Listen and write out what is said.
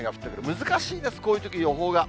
難しいです、こういうとき、予報が。